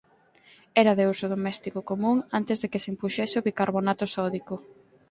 Era de uso doméstico común antes de que se impuxese o bicarbonato sódico.